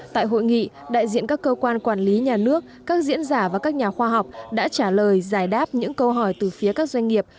tại hội nghị đại diện các cơ quan quản lý nhà nước các diễn giả và các nhà khoa học đã trả lời giải đáp những câu hỏi từ phía các doanh nghiệp